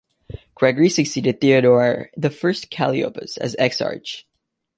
Gregory succeeded Theodore the First Calliopas as Exarch.